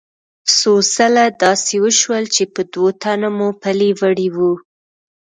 څو ځله داسې وشول چې په دوو تنو مو پلي وړي وو.